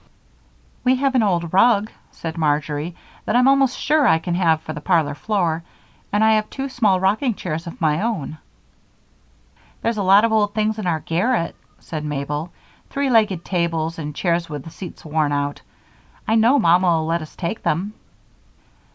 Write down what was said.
"We have an old rug," said Marjory, "that I'm almost sure I can have for the parlor floor, and I have two small rocking chairs of my own." "There's a lot of old things in our garret," said Mabel; "three legged tables, and chairs with the seats worn out. I know Mother'll let us take them."